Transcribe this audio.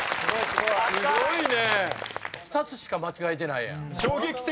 すごいね。